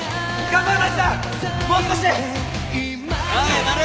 頑張れ！